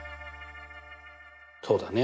そうだね。